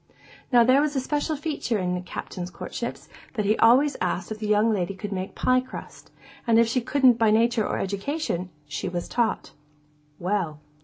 Now, there was this special feature in the Captain's courtships, that he always asked if the young lady could make pie crust; and if she couldn't by nature or education, she was taught. Well.